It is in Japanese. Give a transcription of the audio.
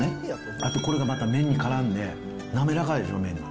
あとこれがまた麺にからんでなめらかですよ、麺が。